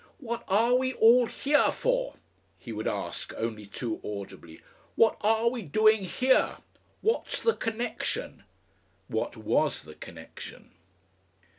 "What are we all he a for?" he would ask only too audibly. "What are we doing he a? What's the connection?" What WAS the connection?